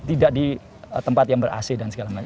tidak di tempat yang ber ac dan segala macam